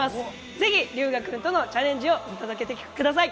ぜひ龍芽くんとのチャレンジを見届けてください。